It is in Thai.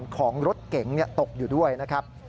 ของรถเก๋งตกอยู่ด้วยนะครับ